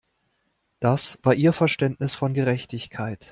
Das war ihr Verständnis von Gerechtigkeit.